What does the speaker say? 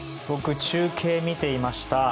僕、中継見ていました。